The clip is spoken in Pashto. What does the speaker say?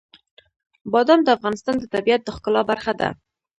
بادام د افغانستان د طبیعت د ښکلا برخه ده.